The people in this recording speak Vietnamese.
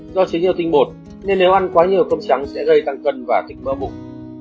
do chứa nhiều tinh bột nên nếu ăn quá nhiều cơm trắng sẽ gây tăng cân và thịt mỡ bụng